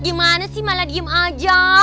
gimana sih malah diem aja